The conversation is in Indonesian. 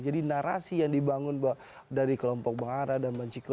jadi narasi yang dibangun dari kelompok bang ara dan bang ciko